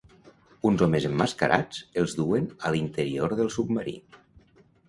Uns homes emmascarats els duen a l'interior del submarí.